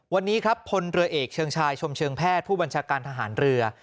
วันนี้ครับพลเรือเอกเชิงชายชมเชิงแพทย์ผู้บัญชาการทหารเรือ